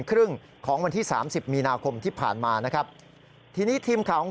ครึ่งของวันที่สามสิบมีนาคมที่ผ่านมานะครับทีนี้ทีมข่าวของเรา